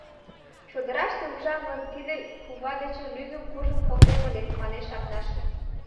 — Чодыраште ужам гын, тиде кува дечын лӱдын куржын колтем ыле, — манеш Акнаш.